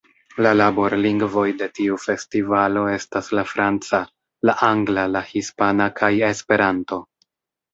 La laborlingvoj de tiu festivalo estas la franca, la angla, la hispana kaj Esperanto.